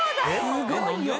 すごいよ。